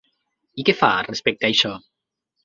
I què fa, respecte a això?